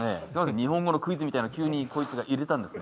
日本語のクイズみたいの急にこいつが入れたんですね